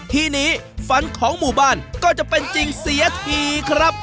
ทีนี้ฝันของหมู่บ้านก็จะเป็นจริงเสียทีครับ